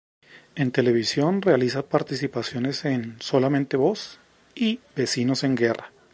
En televisión realiza participaciones en "Solamente vos" y "Vecinos en guerra".